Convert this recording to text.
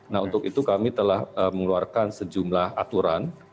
nah untuk itu kami telah mengeluarkan sejumlah aturan